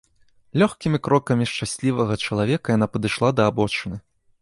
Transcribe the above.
Лёгкімі крокамі шчаслівага чалавека яна падышла да абочыны.